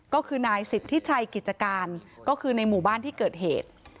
ก็คือนายสิทธิชัยกิจการก็คือในหมู่บ้านที่เกิดเหตุ